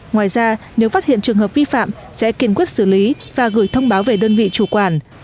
ngoài ra nếu phát hiện trường hợp vi phạm sẽ kiên quyết xử lý và gửi thông báo về đơn vị chủ quản